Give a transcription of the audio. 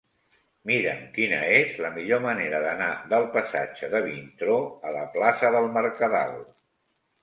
Mira'm quina és la millor manera d'anar del passatge de Vintró a la plaça del Mercadal.